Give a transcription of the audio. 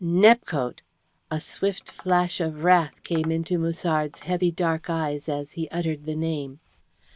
"Nepcote!" A swift flash of wrath came into Musard's heavy dark eyes as he uttered the name.